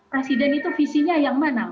presiden itu visinya yang mana